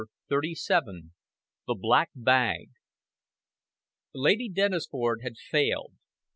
CHAPTER XXXVII THE BLACK BAG Lady Dennisford had failed.